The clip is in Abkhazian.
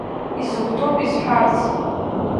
Исыхәҭоуп исҳәарц.